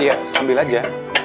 iya sambil aja